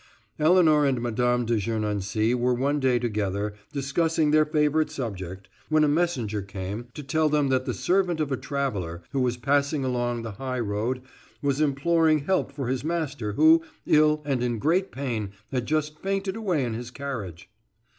Elinor and Mme. de Gernancé were one day together, discussing their favorite subject, when a messenger came to tell them that the servant of a traveler, who was passing along the high road, was imploring help for his master, who, ill and in great pain, had just fainted away in his carriage.